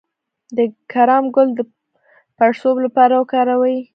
د کرم ګل د پړسوب لپاره وکاروئ